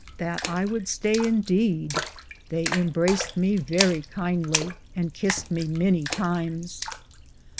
that I would staye in deed, thcye imbraced me verrie kindly, and kiste me many times.